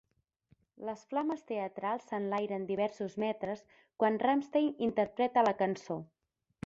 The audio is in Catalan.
Les flames teatrals s'enlairen diversos metres quan Rammstein interpreta la cançó.